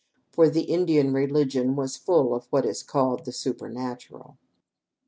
For the Indian religion was full of what is called the supernatural.